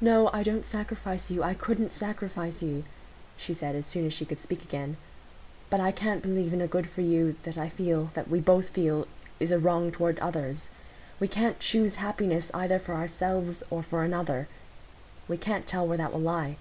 "No, I don't sacrifice you—I couldn't sacrifice you," she said, as soon as she could speak again; "but I can't believe in a good for you, that I feel, that we both feel, is a wrong toward others. We can't choose happiness either for ourselves or for another; we can't tell where that will lie.